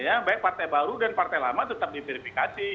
ya baik partai baru dan partai lama tetap diverifikasi